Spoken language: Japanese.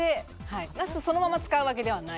ナスをそのまま使うわけではない。